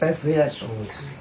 そう。